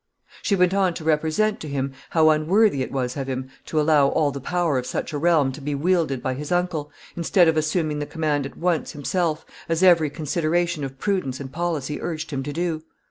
] She went on to represent to him how unworthy it was of him to allow all the power of such a realm to be wielded by his uncle, instead of assuming the command at once himself, as every consideration of prudence and policy urged him to do.